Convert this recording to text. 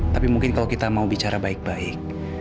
tapi mungkin kalau kita mau bicara baik baik